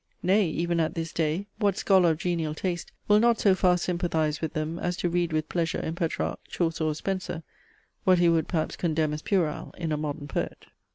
Nay, even at this day what scholar of genial taste will not so far sympathize with them, as to read with pleasure in Petrarch, Chaucer, or Spenser, what he would perhaps condemn as puerile in a modern poet?